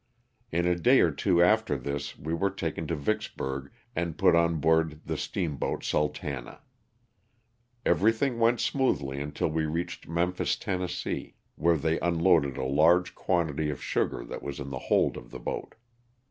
In a day or two after this we were taken to Vicksburg and put on board the steam boat "Sultana." Everything went smoothly until we reached Memphis, Tenn., where they unloaded a large quantity of sugar that was in the hold of the boat.